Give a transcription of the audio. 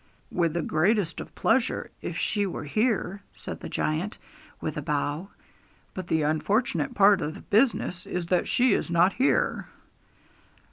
'With the greatest of pleasure, if she were here,' said the giant, with a bow; 'but the unfortunate part of the business is that she is not here!'